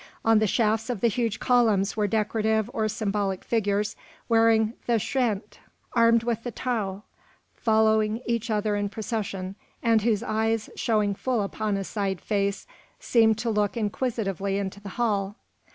On the shafts of the huge columns were decorative or symbolical figures wearing the pschent, armed with the tau, following each other in procession, and whose eyes, showing full upon a side face, seemed to look inquisitively into the hall.